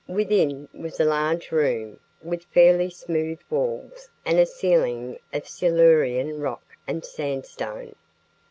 Within was a large room with fairly smooth walls and ceiling of Silurian rock and sandstone.